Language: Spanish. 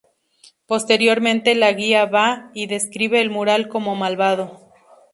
Posteriormente la guía va, y describe el mural como "malvado".